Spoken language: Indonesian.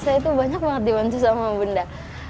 saya itu banyak banget dibantu sama bunda